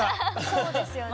そうですよね。